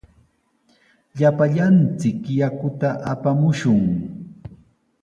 Llapallanchik yakuta apamushun.